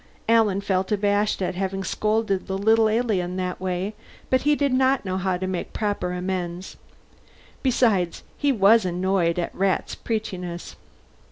Alan felt abashed at having scolded the little alien that way, but he did not know how to make proper amends; besides, he was annoyed at Rat's preachiness.